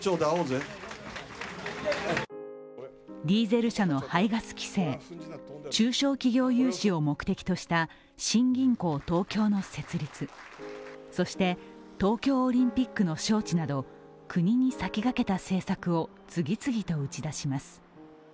ディーゼル車の排ガス規制中小企業融資を目的とした新銀行東京の設立そして東京オリンピックの招致など国に先駆けた政策を次々と打ち出します。